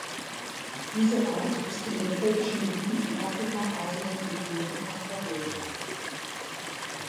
Diese Art ist in den tropischen Gebieten von Afrika, Asien und Amerika verwildert.